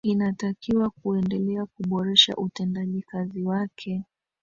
inatakiwa kuendelea kuboresha utendaji kazi wake